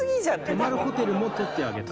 泊まるホテルも取ってあげた。